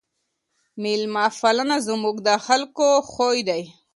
ميلمه پالنه زموږ د خلګو خوی دی.